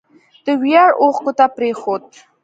د ویاړ اوښکو ته پرېښود